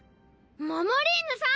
モモリーヌさん！